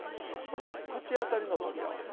そして口当たりの取り合わせ。